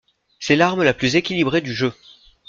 C'est l'arme la plus équilibrée du jeu.